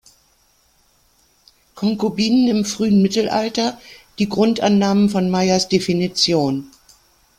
Konkubinen im frühen Mittelalter" die Grundannahmen von Meyers Definition.